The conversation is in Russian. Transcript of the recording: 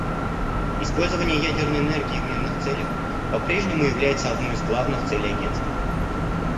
Использование ядерной энергии в мирных целях по-прежнему является одной из главных целей Агентства.